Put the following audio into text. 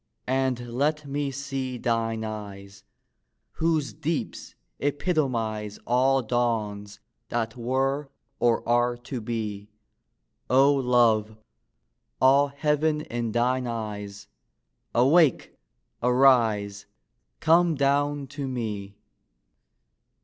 and let me see Thine eyes, whose deeps epitomize All dawns that were or are to be, O love, all Heaven in thine eyes! Awake! arise! come down to me!